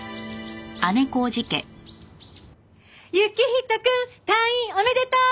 行人くん退院おめでとう！